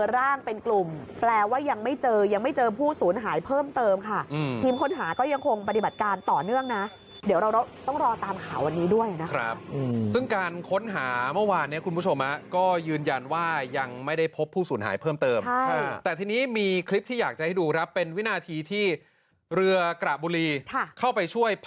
ร่างเป็นกลุ่มแปลว่ายังไม่เจอยังไม่เจอผู้สูญหายเพิ่มเติมค่ะทีมค้นหาก็ยังคงปฏิบัติการต่อเนื่องนะเดี๋ยวเราต้องรอตามข่าววันนี้ด้วยนะครับซึ่งการค้นหาเมื่อวานเนี่ยคุณผู้ชมก็ยืนยันว่ายังไม่ได้พบผู้สูญหายเพิ่มเติมแต่ทีนี้มีคลิปที่อยากจะให้ดูครับเป็นวินาทีที่เรือกระบุรีเข้าไปช่วยป